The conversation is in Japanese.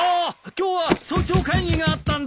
今日は早朝会議があったんだ！